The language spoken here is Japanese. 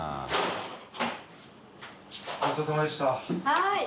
はい。